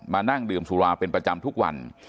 นั่งดื่มสุราเป็นประจำทุกวัน